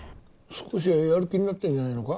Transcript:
少しはやる気になってるんじゃないのか？